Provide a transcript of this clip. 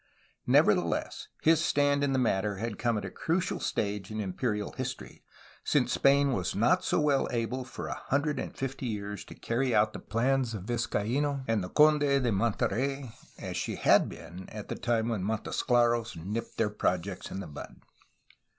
Neverthe less, his stand in the matter had come at a crucial stage in imperial history, since Spain was not so well able for a hundred and fifty years to carry out the plans of Vizcaino and the Conde de Monterey as she had been at the time when Montesclaros nipped their projects in the bud.